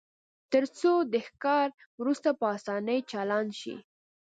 ترڅو د ښکار وروسته په اسانۍ چالان شي